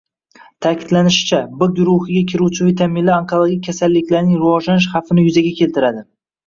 Ta’kidlanishicha, B guruhiga kiruvchi vitaminlar onkologik kasalliklarning rivojlanish xavfini yuzaga keltiradi